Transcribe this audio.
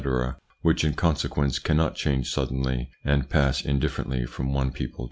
which in conse quence cannot change suddenly and pass indifferently from one people to another.